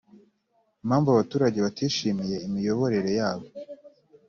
Impamvu abaturage batishimiye imiyoborere yabo